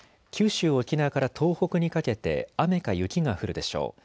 九州、沖縄から東北にかけて雨か雪が降るでしょう。